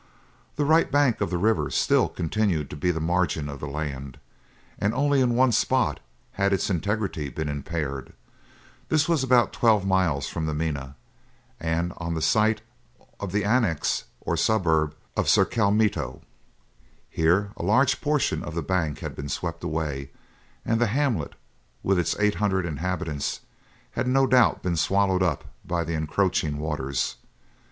The right bank of the river still continued to be the margin of the land, and only in one spot had its integrity been impaired. This was about twelve miles from the Mina, and on the site of the annex or suburb of Surkelmittoo. Here a large portion of the bank had been swept away, and the hamlet, with its eight hundred inhabitants, had no doubt been swallowed up by the encroaching waters.